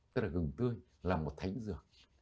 tức là gừng tươi là một thánh dược